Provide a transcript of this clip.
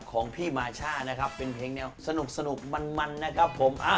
ของพี่มาช่านะครับเป็นเพลงแนวสนุกมันนะครับผม